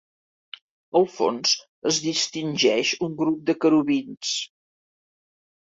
Al fons es distingeix un grup de querubins.